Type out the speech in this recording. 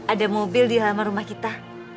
ada mobil di halaman rumah kita